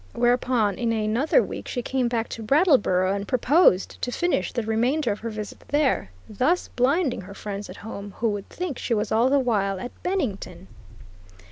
Whereupon, in another week, she came back to Brattleboro and proposed to finish the remainder of her visit there, thus blinding her friends at home who would think she was all the while at Bennington.